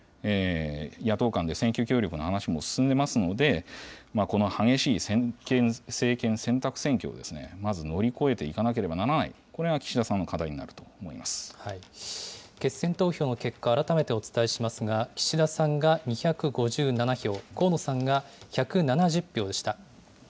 野党間で選挙協力の話も進んでますんで、この激しい政権選択選挙をまず乗り越えていかなければならない、これが岸田さんの課題に決選投票の結果、改めてお伝えしますが、岸田さんが２５７票、河野さんが１７０票でした。